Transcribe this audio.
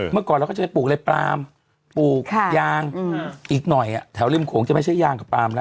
เมื่อก่อนเราก็จะไปปลูกอะไรปลามปลูกยางอีกหน่อยแถวริมโขงจะไม่ใช่ยางกับปลามแล้ว